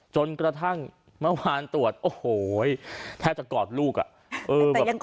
จนกระทั่งเมื่อวานตรวจโอ้โหแทบจะกอดลูกอ่ะ